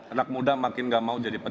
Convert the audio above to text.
anak muda makin tidak mau jadi petani